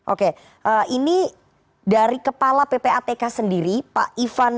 oke ini dari kepala ppatk sendiri pak ivan